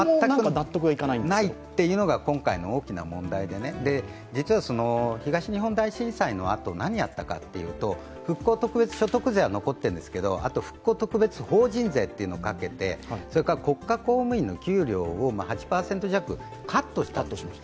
納得いかないというのが今回の大きな問題で実は東日本大震災のあと何をやったかというと、復興特別所得税は残っているんですけどあと復興特別法人税というのをかけて、国家公務員の給料を８％近くカットしたんです。